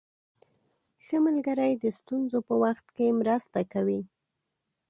ښه ملګری د ستونزو په وخت کې مرسته کوي.